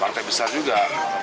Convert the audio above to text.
partai besar juga